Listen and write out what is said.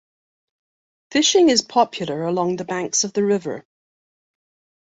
Fishing is popular along the banks of the river.